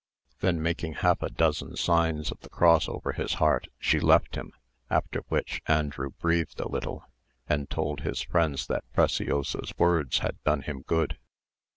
Then making half a dozen signs of the cross over his heart, she left him, after which Andrew breathed a little, and told his friends that Preciosa's words had done him good.